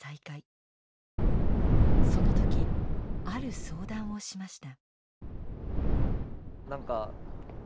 その時ある相談をしました。